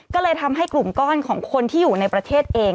ก็เลยทำให้กลุ่มก้อนของคนที่อยู่ในประเทศเอง